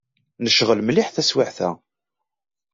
Necɣel mliḥ taswiɛt-a.